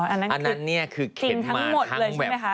อ๋ออันนั้นคือสิ่งทั้งหมดเลยใช่ไหมคะ